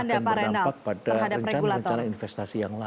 akan berdampak pada rencana rencana investasi yang lain